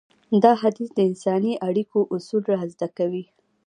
دا حديث د انساني اړيکو اصول رازده کوي.